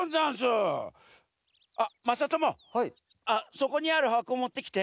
そこにあるはこもってきて。